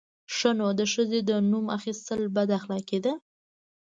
_ښه نو، د ښځې د نوم اخيستل بد اخلاقي ده!